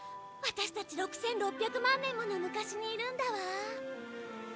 ワタシたち６６００万年もの昔にいるんだわ。